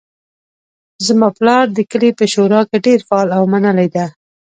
زما پلار د کلي په شورا کې ډیر فعال او منلی ده